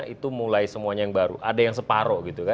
jadi itu mulai semuanya yang baru ada yang separoh gitu kan